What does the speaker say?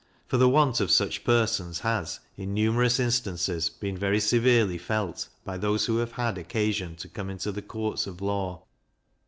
For the want of such persons has, in numerous instances, been very severely felt by those who have had occasion to come into the courts of law.